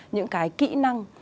những cái kỹ năng